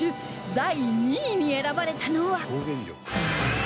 第２位に選ばれたのは